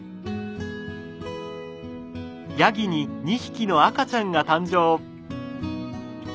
ヤギに２匹の赤ちゃんが誕生。